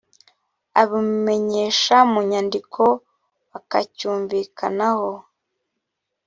abimumenyesha mu nyandiko bakacyumvikanaho